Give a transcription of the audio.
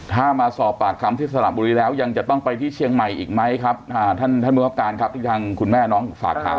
ถ้ามาสอบปากคำที่สระบุรีแล้วยังจะต้องไปที่เชียงใหม่อีกไหมครับท่านท่านผู้คับการครับที่ทางคุณแม่น้องฝากถาม